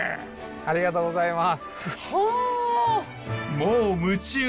ありがとうございます。